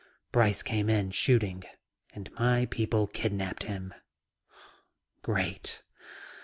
Brice came in shooting and my people kidnapped him." "Great."